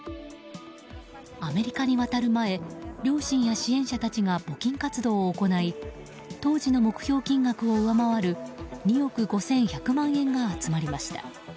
アメリカに渡る前両親や支援者たちが募金活動を行い当時の目標金額を上回る２億５１００万円が集まりました。